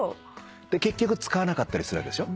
結局使わなかったりするわけでしょ？